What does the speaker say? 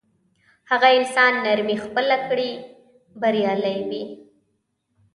هغه انسان نرمي خپله کړي بریالی وي.